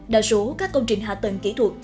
đa số các công trình hạ tầng kỹ thuật